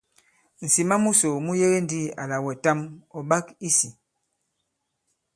Ŋ̀sìma musò mu yege ndī àlà wɛ̀tàm ɔ̀ ɓak i sī.